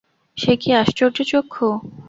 সে কী আশ্চর্য চক্ষু!